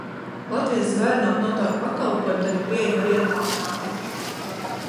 Latvijas zvērinātu notāru pakalpojumi tagad pieejami arī attālināti.